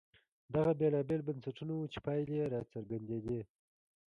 دغه بېلابېل بنسټونه وو چې پایلې یې راڅرګندېدې.